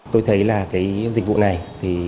tôi thấy là cái dịch vụ này thì